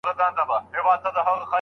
له ظالمه به مظلوم ساتل کېدلای